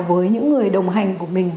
với những người đồng hành của mình